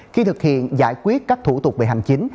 khi thực hiện giải quyết các thủ tục về hành chính